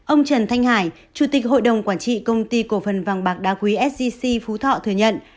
ông trần thanh hải chủ tịch hội đồng quản trị công ty cổ phần vàng bạc đá quý sgc phú thọ thừa nhận